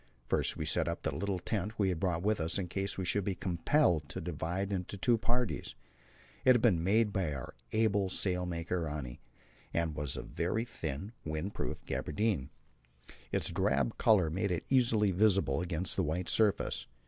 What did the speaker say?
First we set up the little tent we had brought with us in case we should be compelled to divide into two parties. It had been made by our able sailmaker, Rionne, and was of very thin windproof gabardine. Its drab colour made it easily visible against the white surface.